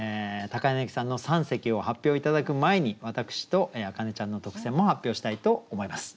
柳さんの三席を発表頂く前に私と明音ちゃんの特選も発表したいと思います。